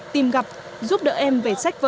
tìm gặp giúp đỡ em về